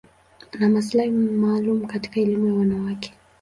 Ana maslahi maalum katika elimu ya wanawake.